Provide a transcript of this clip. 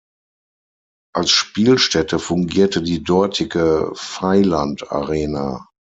Als Spielstätte fungierte die dortige Vaillant Arena.